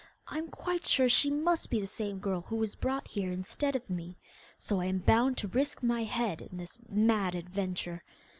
I am quite sure she must be the same girl who was brought here instead of me, so I am bound to risk my head in this mad adventure.